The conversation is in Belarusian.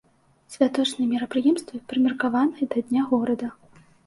Святочныя мерапрыемствы прымеркаваныя да дня горада.